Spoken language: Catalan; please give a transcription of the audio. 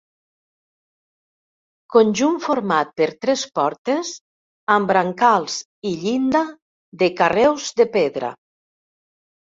Conjunt format per tres portes, amb brancals i llinda de carreus de pedra.